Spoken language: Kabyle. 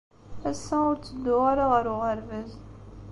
Ass-a, ur ttedduɣ ara ɣer uɣerbaz!